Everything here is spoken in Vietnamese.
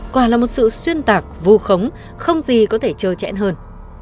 quả là một sự xuyên tạc vô khống không gì có thể chờ chẽn hơn